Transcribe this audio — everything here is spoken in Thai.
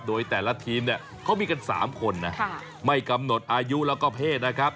โดยแต่ละทีมเนี่ยเขามีกัน๓คนนะไม่กำหนดอายุแล้วก็เพศนะครับ